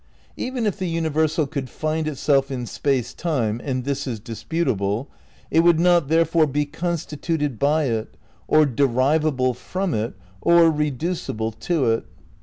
Even if the universal could find itself in Space Time (and this is disputable), it would not therefore be con stituted by it or derivable from it or reducible to it.